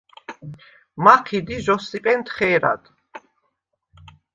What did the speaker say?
მაჴიდ ი ჟოსსიპენ თხე̄რად.